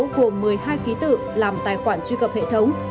gồm một mươi hai ký tự làm tài khoản truy cập hệ thống